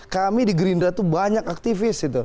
kami di gerindra itu banyak aktivis